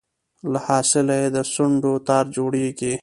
له حاصله یې د سونډو تار جوړیږي